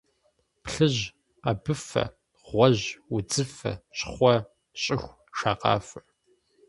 Плъыжь, къэбыфэ, гъуэжь, удзыфэ, щхъуэ, щӏыху, шакъафэ.